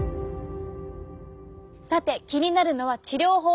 さて気になるのは治療法。